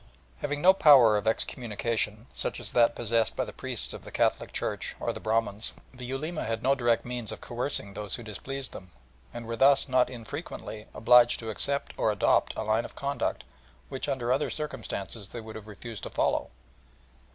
Having no power of excommunication, such as that possessed by the priests of the Catholic Church or the Brahmins, the Ulema had no direct means of coercing those who displeased them, and were thus not infrequently obliged to accept or adopt a line of conduct that under other circumstances they would have refused to follow.